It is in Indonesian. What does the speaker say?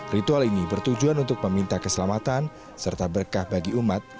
ritual ini bertujuan untuk meminta keselamatan serta berkah bagi umat